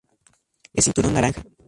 Es cinturón naranja.